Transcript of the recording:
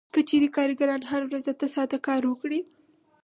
که چېرې کارګران هره ورځ اته ساعته کار وکړي